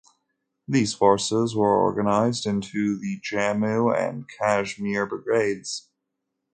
These forces were organized into the Jammu and Kashmir Brigades.